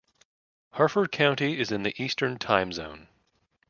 Harford County is in the Eastern Time Zone.